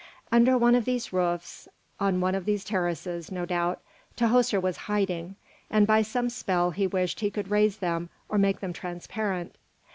Under one of these roofs, on one of these terraces, no doubt, Tahoser was hiding; and by some spell he wished he could raise them or make them transparent.